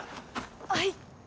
はい。